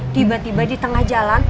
tiba tiba di tengah jalan